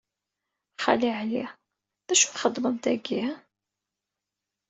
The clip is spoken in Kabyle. Xali Ɛli, d acu txedmeḍ dagi?